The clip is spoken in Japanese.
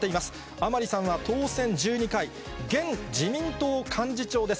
甘利さんは当選１２回、現自民党幹事長です。